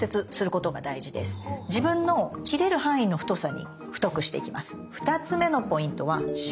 自分の切れる範囲の太さに太くしていきます。